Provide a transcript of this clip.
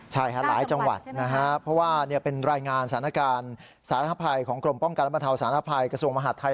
ใช่ค่ะหลายจังหวัดเพราะว่านี่เป็นรายงานสถานการณ์สถาไปของกรมป้องการประเทศสถาไปกระทรวงมหาดไทย